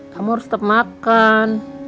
kamu harus tetap makan